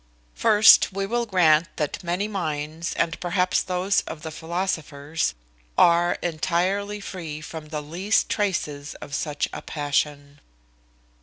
First, we will grant that many minds, and perhaps those of the philosophers, are entirely free from the least traces of such a passion.